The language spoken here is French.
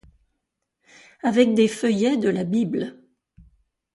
Avec des feuillets de la Bible !